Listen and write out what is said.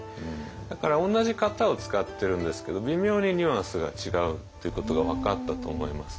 だから同じ型を使ってるんですけど微妙にニュアンスが違うっていうことが分かったと思います。